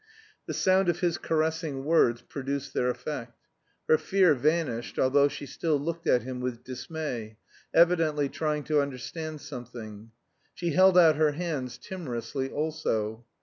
The sound of his caressing words produced their effect. Her fear vanished, although she still looked at him with dismay, evidently trying to understand something. She held out her hands timorously also.